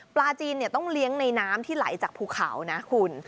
ปลาจีนต้องเลี้ยงในน้ำที่ไหลจากภูเขานะคุณ